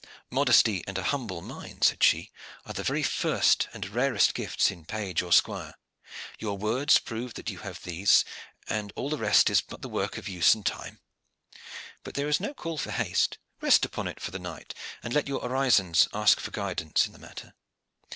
"Modesty and a humble mind," said she, "are the very first and rarest gifts in page or squire. Your words prove that you have these, and all the rest is but the work of use and time. But there is no call for haste. Rest upon it for the night, and let your orisons ask for guidance in the matter.